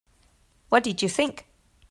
What did you think?